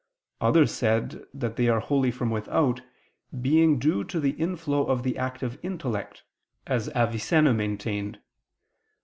Others said that they are wholly from without, being due to the inflow of the active intellect, as Avicenna maintained.